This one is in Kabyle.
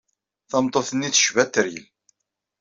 Tameṭṭut-nni tecba Tteryel.